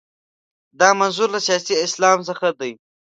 دا منظور له سیاسي اسلام څخه دی.